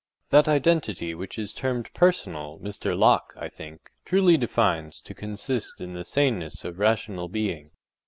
That identity which is termed personal, Mr. Locke, I think, truly defines to consist in the saneness of rational being.